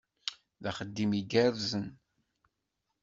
D axeddim igerrzen!